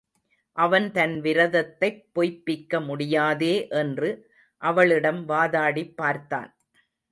அவன் தன் விரதத்தைப் பொய்ப்பிக்க முடியாதே என்று அவளிடம் வாதாடிப் பார்த்தான்.